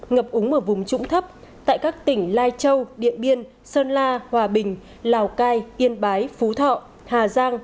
ngập úng ở vùng trũng thấp tại các tỉnh lai châu điện biên sơn la hòa bình lào cai yên bái phú thọ hà giang